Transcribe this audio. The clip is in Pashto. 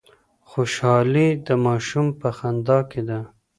خوشحالي د ماشوم په خندا کي ده.